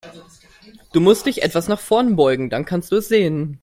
Du musst dich etwas nach vorn beugen, dann kannst du es sehen.